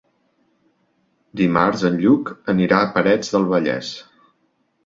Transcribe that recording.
Dimarts en Lluc anirà a Parets del Vallès.